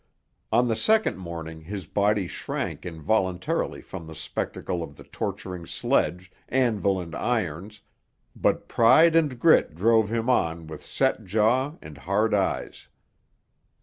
On the second morning his body shrank involuntarily from the spectacle of the torturing sledge, anvil and irons, but pride and grit drove him on with set jaw and hard eyes.